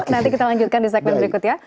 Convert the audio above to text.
nanti kita lanjutkan di segmen berikut ya